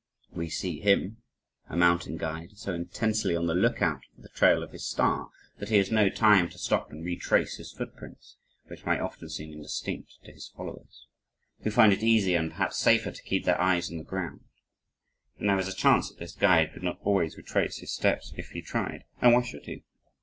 We see him, a mountain guide, so intensely on the lookout for the trail of his star, that he has no time to stop and retrace his footprints, which may often seem indistinct to his followers, who find it easier and perhaps safer to keep their eyes on the ground. And there is a chance that this guide could not always retrace his steps if he tried and why should he!